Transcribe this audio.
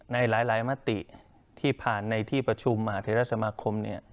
ในหลายมติที่ผ่านในที่ประชุมมหาเทราสมาคม